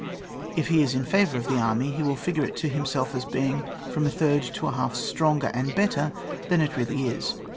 If he is in favour of the army, he will figure it to himself as being from a third to a half stronger and better than it really is.